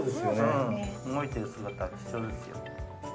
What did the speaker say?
動いてる姿は貴重ですよ。